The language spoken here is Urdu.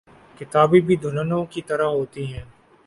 کتابیں بھی دلہنوں کی طرح ہوتی ہیں۔